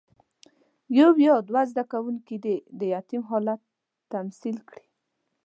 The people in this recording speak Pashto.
یو یا دوه زده کوونکي دې د یتیم حالت تمثیل کړي.